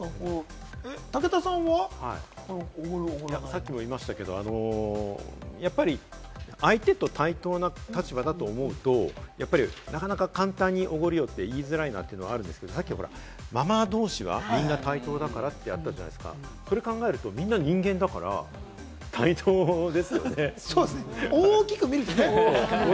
さっきも言いましたけど、相手と対等な立場だと思うと、なかなか簡単におごるよって言いづらいなというのがあるんですけど、さっきママ同士はみんな対等だからってあったじゃないですか、それを考えると、みんな人間だか大きく見るとね。